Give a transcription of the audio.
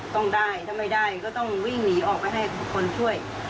ต้องได้ถ้าไม่ได้ก็ต้องวิ่งหนีออกไปให้ทุกคนช่วย